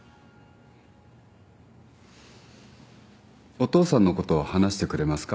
お父さんのことを話してくれますか。